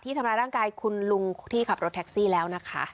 ทำร้ายร่างกายคุณลุงที่ขับรถแท็กซี่แล้วนะคะ